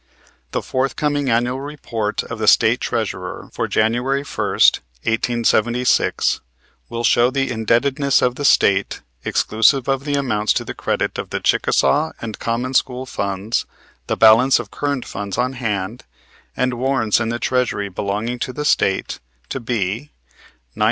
The forthcoming annual report of the State Treasurer, for January first, 1876, will show the indebtedness of the State, exclusive of the amounts to the credit of the Chickasaw and common school funds, the balance of current funds on hand, and warrants in the Treasury belonging to the State, to be $980,138.